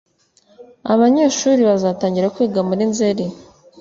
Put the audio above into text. Abanyeshuri bazatangira kwiga muri nzeri